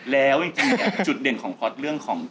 แล้วจริงจุดเด่นของพอร์ตเรื่องของ